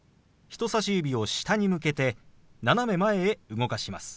人さし指を下に向けて斜め前へ動かします。